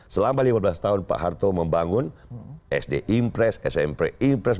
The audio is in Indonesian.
selama lima belas tahun pak harto membangun sd impres smp impres